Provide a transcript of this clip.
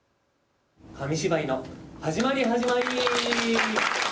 紙芝居の始まり始まり。